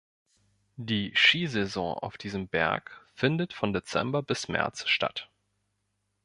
Die Skisaison auf diesem Berg findet von Dezember bis März statt.